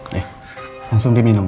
nih langsung diminum